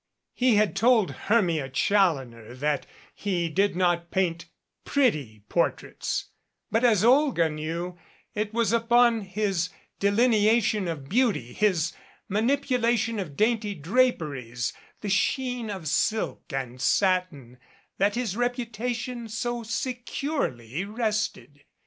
He had told Hermia Challoner that he did not paint "pretty" portraits, but as Olga knew, it was upon his delineation of beauty, his manipulation of dainty dra peries, the sheen of silk and satin, that his reputation so securely rested.